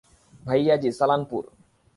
ভাইয়াজি, Salanpur.